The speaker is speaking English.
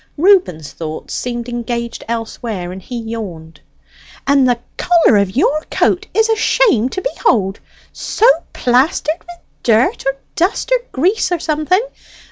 Reuben's thoughts seemed engaged elsewhere, and he yawned. "And the collar of your coat is a shame to behold so plastered with dirt, or dust, or grease, or something.